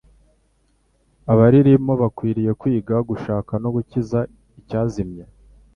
Abaririmo bakwiriye kwiga gushaka no gukiza icyazimiye.